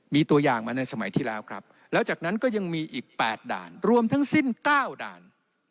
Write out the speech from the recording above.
มีตัวอย่างมาในสมัยที่แล้วครับแล้วจากนั้นก็ยังมีอีก๘ด่านรวมทั้งสิ้น๙ด่าน